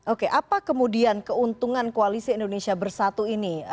oke apa kemudian keuntungan koalisi indonesia bersatu ini